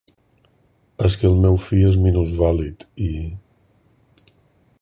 És que el meu fill és minusvàlid i.